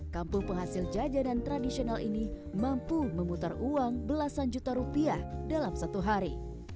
kampung penghasil jajanan tradisional ini mampu memutar uang belasan juta rupiah dalam satu hari